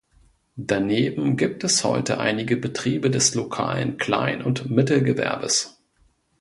Daneben gibt es heute einige Betriebe des lokalen Klein- und Mittelgewerbes.